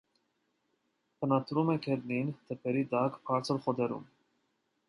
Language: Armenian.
Բնադրում է գետնին, թփերի տակ, բարձր խոտերում։